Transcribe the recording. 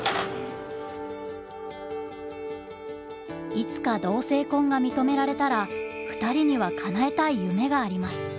いつか同性婚が認められたら２人にはかなえたい夢があります。